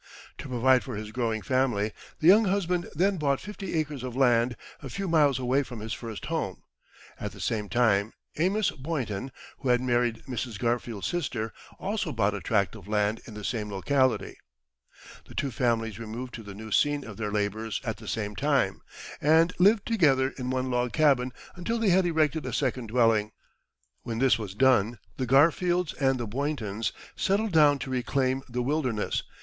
To provide for his growing family, the young husband then bought fifty acres of land, a few miles away from his first home. At the same time, Amos Boynton, who had married Mrs. Garfield's sister, also bought a tract of land in the same locality. The two families removed to the new scene of their labours at the same time, and lived together in one log cabin, until they had erected a second dwelling. When this was done, the Garfields and the Boyntons settled down to reclaim the wilderness.